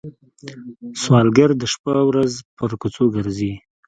سوالګر د شپه ورځ پر کوڅو ګرځي